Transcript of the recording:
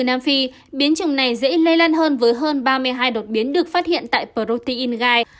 ở nam phi biến chủng này dễ lây lan hơn với hơn ba mươi hai đột biến được phát hiện tại protein gai